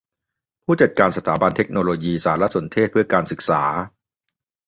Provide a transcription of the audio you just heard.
ผู้จัดการสถาบันเทคโนโลยีสารสนเทศเพื่อการศึกษา